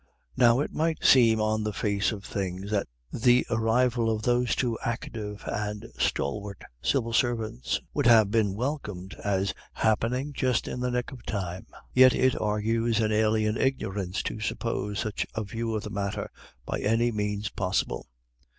Now it might seem on the face of things that the arrival of those two active and stalwart civil servants would have been welcomed as happening just in the nick of time; yet it argues an alien ignorance to suppose such a view of the matter by any means possible.